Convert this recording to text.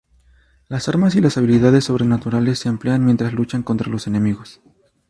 Las armas y las habilidades sobrenaturales se emplean mientras luchan contra los enemigos.